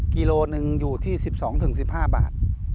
กิโลหนึ่งอยู่ที่๑๒๑๕บาท